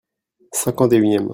Cinquante et unième.